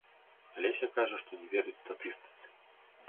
Алеся кажа, што не верыць статыстыцы.